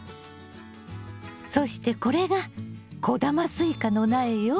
そしてこれが小玉スイカの苗よ。